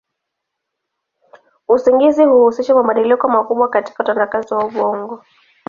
Usingizi huhusisha mabadiliko makubwa katika utendakazi wa ubongo.